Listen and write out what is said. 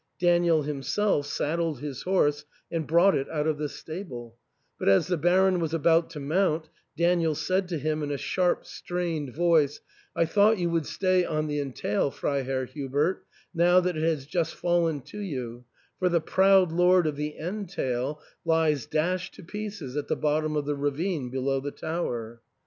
Daniel himself saddled his horse and brought it out of the stable ; but as the Baron was about to mount, Daniel said to him in a sharp, strained voice, "I thought you would stay on the entail, Freiherr Hubert, now that it has just fallen to you, for the proud lord of the entail lies dashed to pieces at the bottom of the ravine, below the tower."